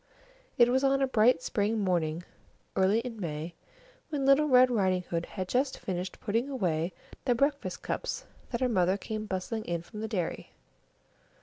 It was on a bright spring morning early in May, when little Red Riding Hood had just finished putting away the breakfast cups that her mother came bustling in from the dairy.